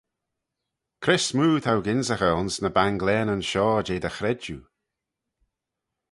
Cre smoo t'ou gynsaghey ayns ny banglaneyn shoh jeh dty chredjue?